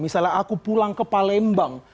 misalnya aku pulang ke palembang